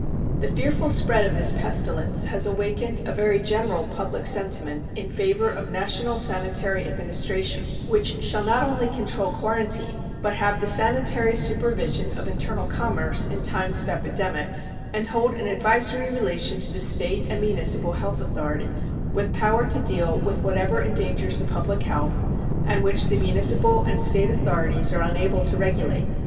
The fearful spread of this pestilence has awakened a very general public sentiment in favor of national sanitary administration, which shall not only control quarantine, but have the sanitary supervision of internal commerce in times of epidemics, and hold an advisory relation to the State and municipal health authorities, with power to deal with whatever endangers the public health, and which the municipal and State authorities are unable to regulate.